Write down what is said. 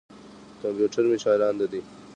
کمپیوټر مې چالاند دي.